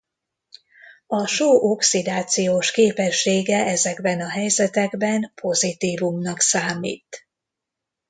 A só oxidációs képessége ezekben a helyzetekben pozitívumnak számít.